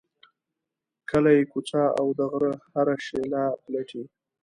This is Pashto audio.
کلی، کوڅه او د غره هره شیله پلټي.